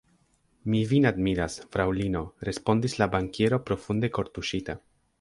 Mi vin admiras, fraŭlino, respondis la bankiero profunde kortuŝita.